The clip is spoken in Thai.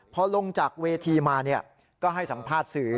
เพราะลงจากเวทีมาเนี่ยก็ให้สัมภาษณ์สื่อ